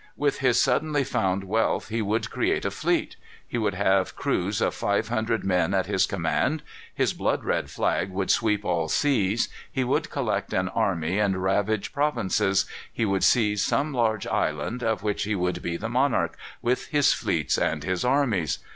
With his suddenly found wealth he would create a fleet; he would have crews of five hundred men at his command; his blood red flag should sweep all seas; he would collect an army and ravage provinces; he would seize some large island, of which he would be the monarch, with his fleets and his armies.